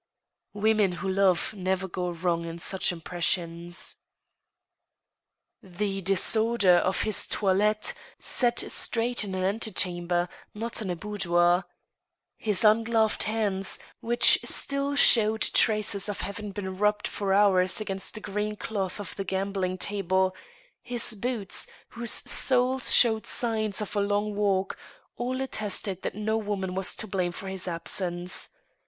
Women who love never go wrong in such impressions. The disorder of his toilet (set straight in an antechamber, not in a boudoir), his ungloved hands, which still showed traces of hav ing been rubbed for hours against the green cloth of the gambling table, his boots, whose soles showed signs of a long walk, jdl attested that no woman was to blame for his absence.